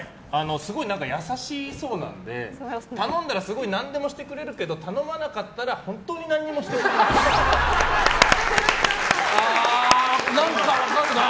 すごい優しそうなので頼んだらすごい何でもしてくれるけど頼まなかったら本当に何もしてくれない。